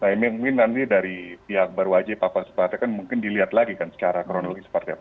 saya mimpi nanti dari pihak berwajib apa seperti apa mungkin dilihat lagi kan secara kronologi seperti apa